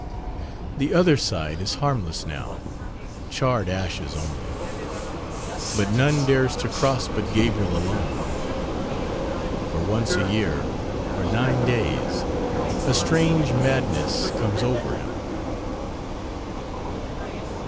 The "other side" is harmless now charred ashes only; but none dares to cross but Gabriel alone for once a year for nine days a strange madness comes over him.